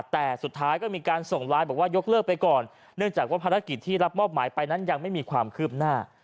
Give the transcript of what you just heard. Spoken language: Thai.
แต่สุดท้ายก็มีการส่งไลน์บอกว่ายกเลิกไปก่อนเนื่องจากว่าภารกิจที่รับมอบหมายไปนั้นยังไม่มีความคืบหน้า